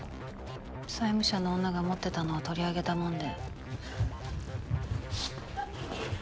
債務者の女が持ってたのを取り上げたもんで。